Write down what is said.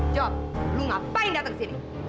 jawab lu ngapain datang kesini